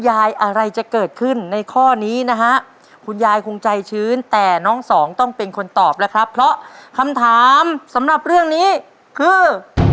อะไรจะเกิดขึ้นในข้อนี้นะฮะคุณยายคงใจชื้นแต่น้องสองต้องเป็นคนตอบแล้วครับเพราะคำถามสำหรับเรื่องนี้คือ